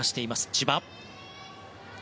千葉。